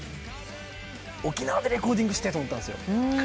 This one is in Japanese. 沖縄でレコーディングしたいと思ったんですよ。